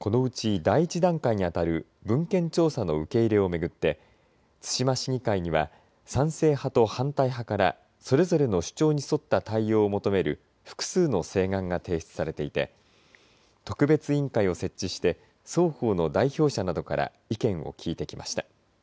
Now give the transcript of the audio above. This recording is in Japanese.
このうち第１段階に当たる文献調査の受け入れを巡って対馬市議会には賛成派と反対派からそれぞの主張に沿った対応を求める複数の請願が提出されていて特別委員会を設置して双方の代表者などから意見を聞いてきました。